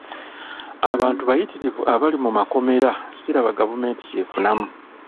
Abantu bayitirivu abali mu makomera siraba gavumenti kyefunamu.